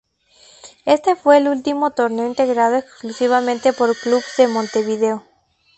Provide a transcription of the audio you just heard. Este fue el último torneo integrado exclusivamente por clubes de Montevideo.